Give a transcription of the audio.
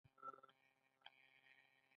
د توکو له ټولګې څخه موخه د تولید اسباب دي.